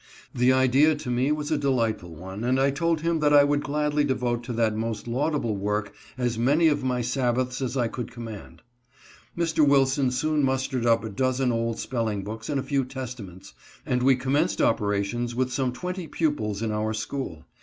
The idea to me was a delightful one and I told him that I would gladly devote to that most laudable work as many of my Sabbaths as I could com mand. Mr. Wilson soon mustered up a dozen old spelling books and a few Testaments, and we commenced operations with some twenty pupils in our school.